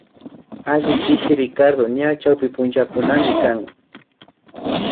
Alli chishi Ricardo ña chawpunchamikunamikan